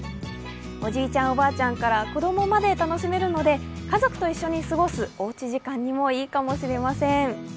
おじいちゃん、おばあちゃんから子供まで楽しめるので家族と一緒に過ごすおうち時間にもいいかもしれません。